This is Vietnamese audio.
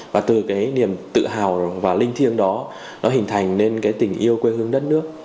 và từ cái niềm tự hào và linh thiêng đó nó hình thành nên cái tình yêu quê hương đất nước